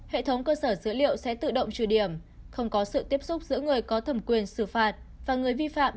hệ thống cơ sở dữ liệu sẽ tự động trừ điểm không có sự tiếp xúc giữa người có thẩm quyền xử phạt và người vi phạm